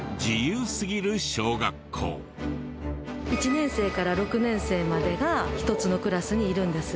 １年生から６年生までが１つのクラスにいるんです。